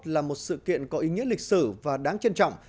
là một sự kiện có ý nghĩa lịch sử và đáng trân trọng